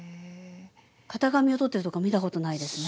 型紙をとってるとこは見たことないですね。